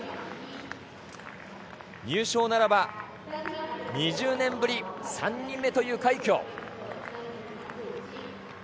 入賞ならば２０年ぶり３人目という快挙。